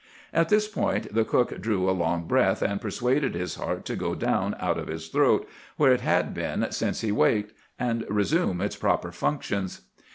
"At this point the cook drew a long breath, and persuaded his heart to go down out of his throat, where it had been since he waked, and resume its proper functions.